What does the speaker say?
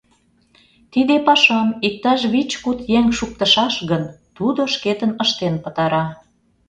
Тиде пашам иктаж вич-куд еҥ шуктышаш гын, тудо шкетын ыштен пытара.